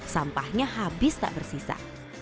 sampahnya habis tak bersisa